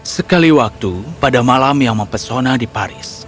sekali waktu pada malam yang mempesona di paris